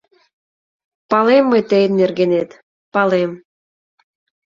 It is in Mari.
— Палем мый тыйын нергенет, палем.